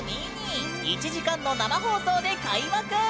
１時間の生放送で開幕！